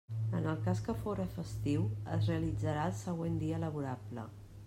En el cas que fóra festiu es realitzarà el següent dia laborable.